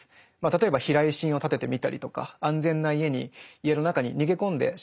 例えば避雷針をたててみたりとか安全な家に家の中に逃げ込んでしまえばですね